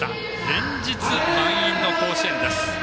連日、満員の甲子園です。